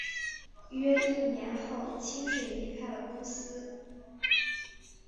约一年后清水离开了公司。